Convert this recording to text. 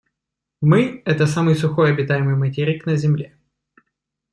Мы — это самый сухой обитаемый материк на Земле.